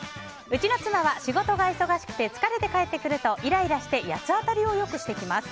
うちの妻は仕事が忙しくて疲れて帰ってくるとイライラして八つ当たりをよくしてきます。